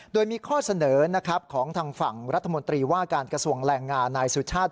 โดยมีข้อเสนอของทางฝั่งรัฐมนตรีว่าการกระทรวงแรงงานนายสุชาติ